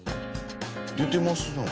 出てますね。